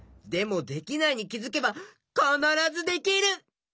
でもできないにきづけばかならずできる！